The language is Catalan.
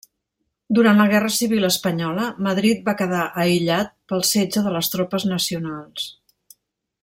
Durant la Guerra civil espanyola, Madrid va quedar aïllat pel setge de les tropes Nacionals.